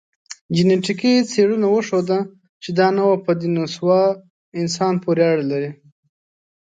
جنټیکي څېړنو وښوده، چې دا نوعه په دنیسووا انسان پورې اړه لري.